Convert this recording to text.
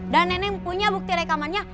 dan neneng punya bukti rekamannya